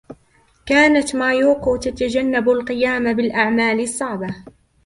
كانت مايوكو تتجنب القيام بالأعمال الصعبة.